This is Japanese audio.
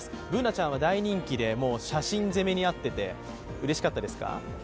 Ｂｏｏｎａちゃんは大人気で写真攻めにあっていてうれしかったですか？